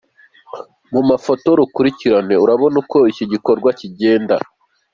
Mu mafoto y'urukurikirane , urabona uko iki gikorwa kigenda.